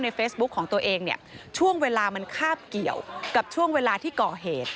เฟซบุ๊คของตัวเองเนี่ยช่วงเวลามันคาบเกี่ยวกับช่วงเวลาที่ก่อเหตุ